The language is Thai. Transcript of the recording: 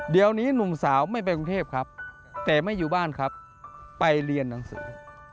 เดี๋ยวนี้หนุ่มสาวไม่ไปกรุงเทพครับแต่ไม่อยู่บ้านครับไปเรียนหนังสือ